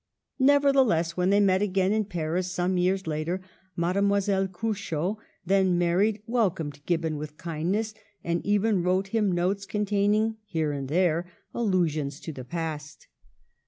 Nevertheless, when they met again in Paris, some years later, Mademoiselle Curchod, then married, welcomed Gibbon with kindness, and even wrote him notes containing, here and there, allusions to the past.